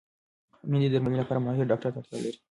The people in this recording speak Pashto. مېندې د درملنې لپاره ماهر ډاکټر ته اړتیا لري.